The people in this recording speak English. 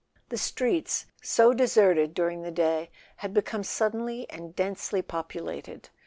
The streets, so deserted during the day, had become suddenly and densely populated.